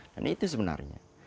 dan itu sebenarnya